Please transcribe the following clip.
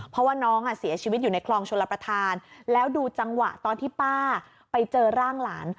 เพราะว่าน้องเสียชีวิตอยู่ในคลองชลประธานแล้วดูจังหวะตอนที่ป้าไปเจอร่างหลาน